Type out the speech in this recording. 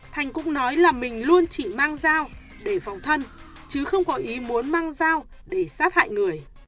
thành cũng nói là mình luôn chỉ mang dao để phòng thân chứ không có ý muốn mang dao để sát hại người